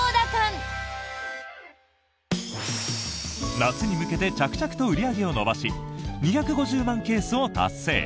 夏に向けて着々と売り上げを伸ばし２５０万ケースを達成。